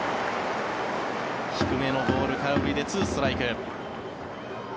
低めのボール空振りで２ストライク。